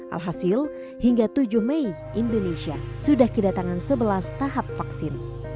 alhasil hingga tujuh mei indonesia sudah kedatangan sebelas tahap vaksin